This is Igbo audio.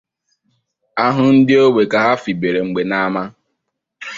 a hụ ndị ogbe ka ha fibere mgbe n’ama